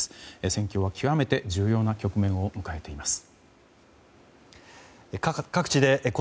戦況は極めて重要な局面を迎えています。